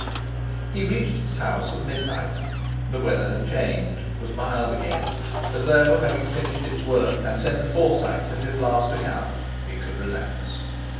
He reached his house at midnight. The weather had changed, was mild again, as though, having finished its work and sent a Forsyte to his last account, it could relax.